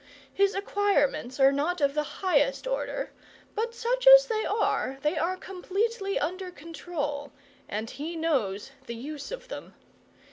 His acquirements are not of the highest order, but such as they are they are completely under control, and he knows the use of them.